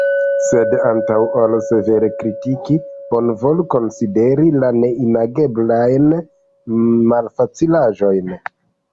Sed antaŭ ol severe kritiki, bonvolu konsideri la neimageblajn malfacilaĵojn.